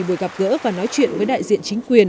buổi gặp gỡ và nói chuyện với đại diện chính quyền